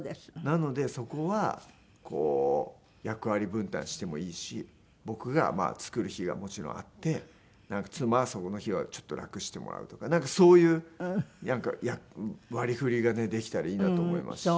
なのでそこは役割分担してもいいし僕が作る日がもちろんあって妻はその日はちょっと楽してもらうとかそういう割り振りができたらいいなと思いますし。